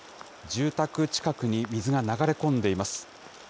住宅近くに水が流れ込んでいます。